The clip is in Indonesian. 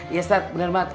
iya setat bener banget